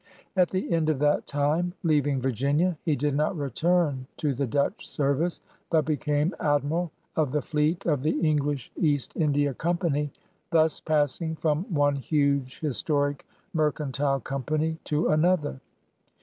At the end of that time, leaving Virginia, he did not return to the Dutch service, but became Admiral of the fleet of the English East Lidia Company, thus passing from one huge historic mercantile company to another.